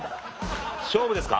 勝負ですか？